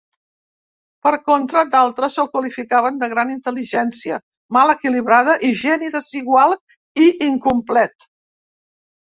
Per contra, d'altres el qualificaven de gran intel·ligència mal equilibrada i geni desigual i incomplet.